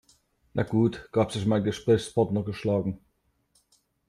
Na gut, gab sich mein Gesprächspartner geschlagen.